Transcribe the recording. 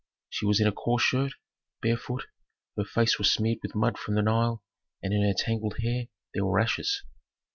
She was in a coarse shirt, barefoot; her face was smeared with mud from the Nile, and in her tangled hair there were ashes.